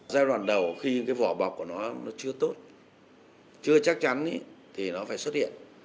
giai đoạn đầu khi cái vỏ bọc của nó chưa tốt chưa chắc chắn thì nó phải xuất hiện